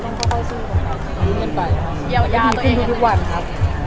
อเจมส์พี่เฉียบเธอมีไข้วิธีอะไรเยอะแ้งเลย